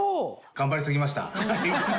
頑張り過ぎました？